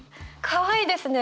かわいいですね！